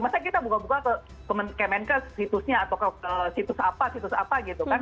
maksudnya kita buka buka ke kemenkes situsnya atau ke situs apa situs apa gitu kan